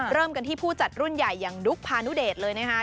เริ่มกันที่ผู้จัดรุ่นใหญ่อย่างดุ๊กพานุเดชเลยนะคะ